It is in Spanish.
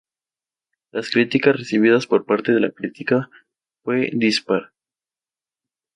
Las críticas recibidas por parte de la crítica fue dispar.